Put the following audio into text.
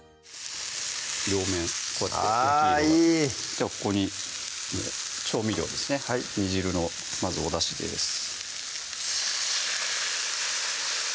両面こうやって焼き色があぁいいではここに調味料ですね煮汁のまずおだしです